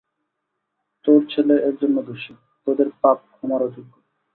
তোর ছেলে এর জন্য দোষী, তোদের পাপ ক্ষমার অযোগ্য।